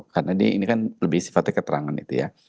karena ini kan lebih sifatnya keterangan itu ya